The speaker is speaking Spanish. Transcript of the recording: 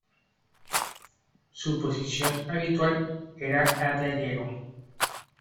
Su posición habitual era la de alero.